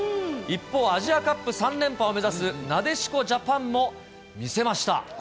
一方、アジアカップ３連覇を目指すなでしこジャパンも、見せました。